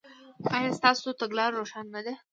ایا ستاسو تګلاره روښانه نه ده؟